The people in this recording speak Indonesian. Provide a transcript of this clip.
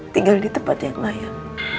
tinggal di tempat yang layak